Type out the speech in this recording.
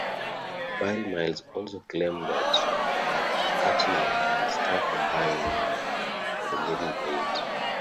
Barry Miles also claimed that McCartney and Starr combined for the middle eight.